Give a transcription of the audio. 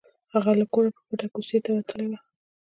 هغه له کوره په پټه کوڅې ته وتلی و